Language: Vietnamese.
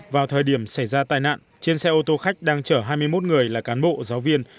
vào thời điểm xảy ra tai nạn trên xe ô tô khách đang chở hai mươi một người là cán bộ giáo viên